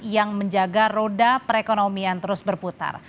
yang menjaga roda perekonomian terus berputar